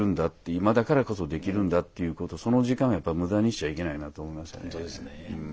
今だからこそできるんだということその時間をやっぱり無駄にしちゃいけないなと思いましたね。